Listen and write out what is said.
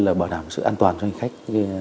và bảo đảm sự an toàn cho khách